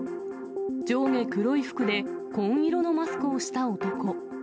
上下黒い服で、紺色のマスクをした男。